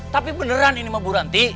tapi beneran ini bu ranti